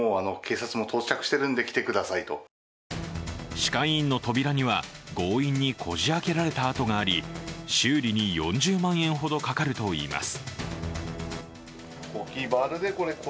歯科医院の扉には強引にこじあけられたあとがあり、修理に４０万円ほどかかるといいます。